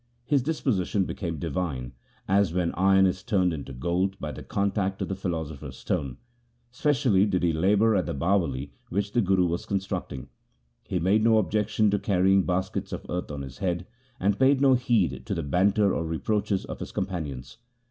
His disposition became divine, as when iron is turned into gold by the contact of the philosopher's stone. Specially did he labour at the Bawali which the Guru was constructing. He made no objection to carrying baskets of earth on his head, and paid no heed to the banter or reproaches of his companions.